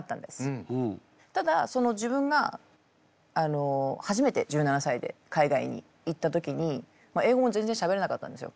ただ自分が初めて１７歳で海外に行った時に英語も全然しゃべれなかったんですよ。